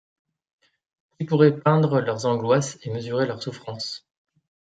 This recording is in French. Qui pourrait peindre leurs angoisses et mesurer leurs souffrances ?